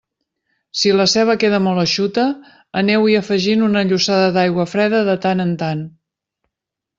Si la ceba queda molt eixuta, aneu-hi afegint una llossada d'aigua freda de tant en tant.